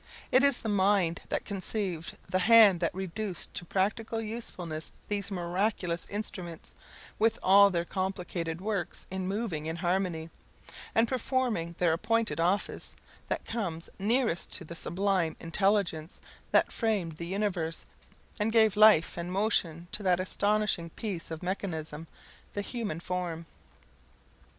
It is the mind that conceived, the hand that reduced to practical usefulness these miraculous instruments, with all their complicated works moving in harmony, and performing their appointed office, that comes nearest to the sublime Intelligence that framed the universe, and gave life and motion to that astonishing piece of mechanism, the human form.